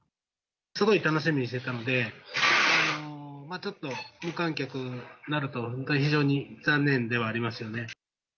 すごい楽しみにしてたので、ちょっと無観客になると、本当非常に残念ではありますよね。